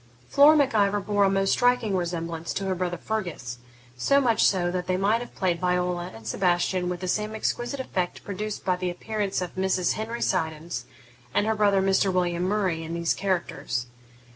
Flora Mac Ivor bore a most striking resemblance to her brother Fergus; so much so that they might have played Viola and Sebastian with the same exquisite effect produced by the appearance of Mrs. Henry Siddons and her brother, Mr. William Murray, in these characters.